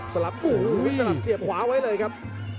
ลับโอ้โหสลับเสียบขวาไว้เลยครับ